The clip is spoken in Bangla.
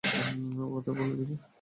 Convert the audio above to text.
কথা বলে দেখি?